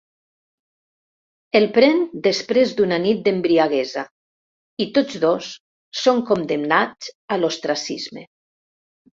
El pren després d'una nit d'embriaguesa, i tots dos són condemnats a l'ostracisme.